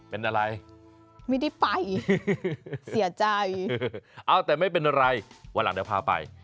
เป็นอะไรไม่ได้ไปเสียใจเอาแต่ไม่เป็นไรวันหลังเดี๋ยวพาไป